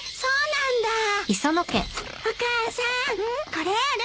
これある？